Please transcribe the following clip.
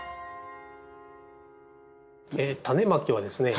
タネまきはですね